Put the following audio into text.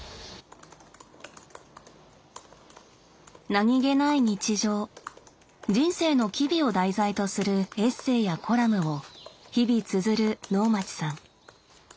何気ない日常人生の機微を題材とするエッセーやコラムを日々綴る能町さん。